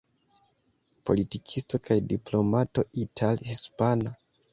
Politikisto kaj diplomato ital-hispana.